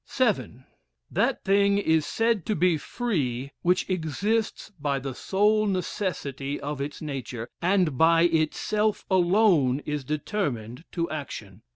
VII. That thing is said to be free which exists by the sole necessity of its nature, and by itself alone is determined to action.